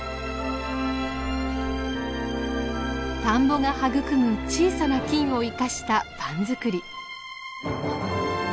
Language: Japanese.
田んぼが育む小さな菌を生かしたパン作り。